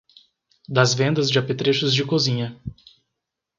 das vendas de apetrechos de cozinha